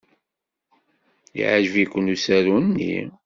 Yeɛjeb-iken usaru-nni?